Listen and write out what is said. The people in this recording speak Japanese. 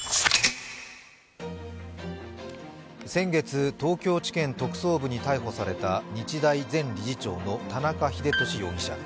先月、東京地検特捜部に逮捕された日大前理事長の田中英寿容疑者。